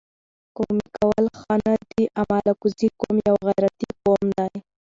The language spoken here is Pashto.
قومي کول ښه نه دي اما الکوزی قوم یو غیرتي قوم دي